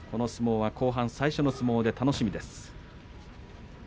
この相撲は後半最初の相撲で楽しみです。